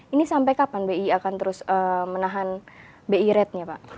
ini sampai kapan bi akan terus menahan bi ratenya pak